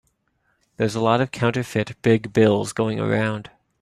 There's a lot of counterfeit big bills going around.